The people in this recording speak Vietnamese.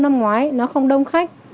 năm ngoái nó không đông khách